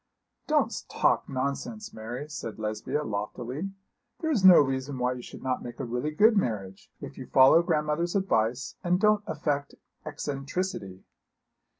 'Don't talk nonsense, Mary,' said Lesbia, loftily. 'There is no reason why you should not make a really good marriage, if you follow grandmother's advice and don't affect eccentricity.'